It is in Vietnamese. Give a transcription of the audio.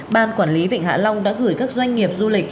ban quản lý vịnh hạ long đã gửi các doanh nghiệp du lịch